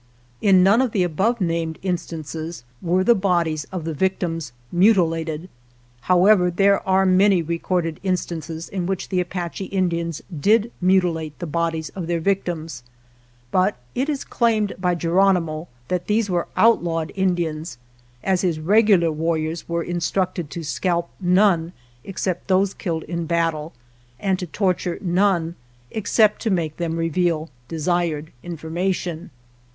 In none of the above named instances 93 GERONIMO were the bodies of the victims mutilated. However, there are many recorded instances in which the Apache Indians did mutilate the bodies of their victims, but it is claimed by Geronimo that these were outlawed In dians, as his regular warriors were in structed to scalp none except those killed in battle, and to torture none except to make them reveal desired information.